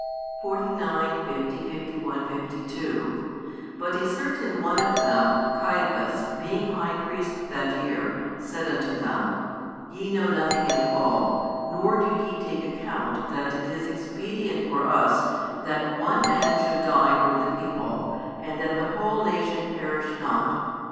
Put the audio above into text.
49, 50, 51, 52 But a certain one of them, Caiaphas, being high priest that year, said unto them, Ye know nothing at all, nor do ye take account that it is expedient for us that one man should die for the people, and that the whole nation perish not.